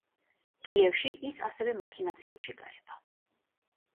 კიევში ის ასევე მაქინაციებში გაება.